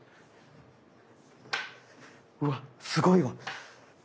うわっすごいわ。